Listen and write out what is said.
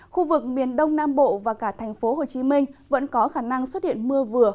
khu vực miền đông nam bộ và cả thành phố hồ chí minh vẫn có khả năng xuất hiện mưa vừa